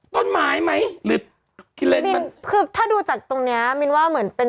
ต้นไม้ไหมหรือคิดเล่นมินคือถ้าดูจากตรงเนี้ยมินว่าเหมือนเป็น